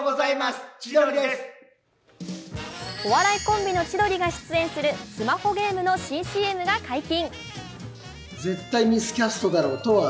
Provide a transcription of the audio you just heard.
お笑いコンビの千鳥が出演するスマホゲームの新ＣＭが解禁。